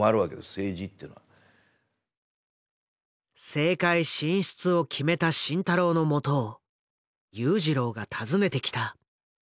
政界進出を決めた慎太郎のもとを裕次郎が訪ねてきた。